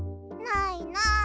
ないなあ